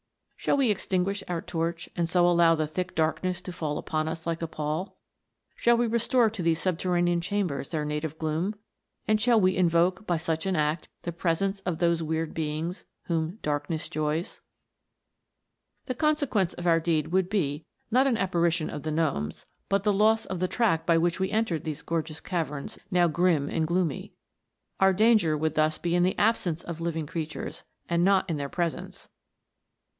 Shall we extinguish our torch, and so allow the thick darkness to fall upon us like a pall ? Shall we restore to these subterranean chambers their native gloom 1 And shall we in voke, by such an act, the presence of those weird beings whom " darkness joys ?" The consequence of our deed would be, not an apparition of the gnomes, but the loss of the track by which we entered these gorgeous caverns now grim and gloomy. Our danger would thus be in the absence of living creatures, and not in their pre sence.